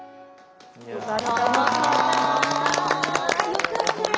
よかった。